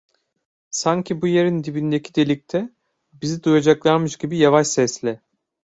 Sanki bu yerin dibindeki delikte bizi duyacaklarmış gibi, yavaş sesle: